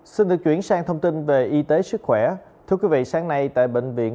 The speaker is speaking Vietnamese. xin được chuyển sang thông tin về y tế sức khỏe thưa quý vị sáng nay tại bệnh viện